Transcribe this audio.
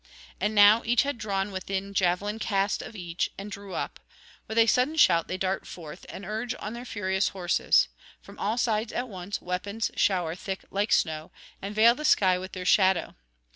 And now each had drawn within javelin cast of each, and drew up; with a sudden shout they dart forth, and urge on their furious horses; from all sides at once weapons shower thick like snow, and veil the sky with their shadow.